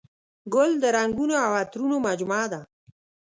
ګل د رنګونو او عطرونو مجموعه ده.